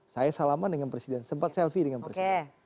saya salaman dengan presiden sempat selfie dengan presiden